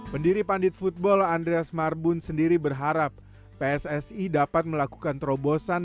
pendiri pandit football andreas marbun sendiri berharap pssi dapat melakukan terobosan